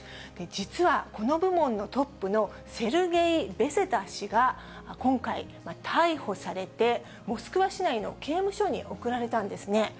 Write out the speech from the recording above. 実はこの部門のトップのセルゲイ・ベセダ氏が今回、逮捕されて、モスクワ市内の刑務所に送られたわけなんですね。